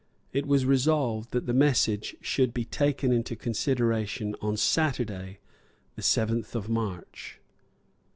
It was resolved that the message should betaken into consideration on Saturday, the seventh of March.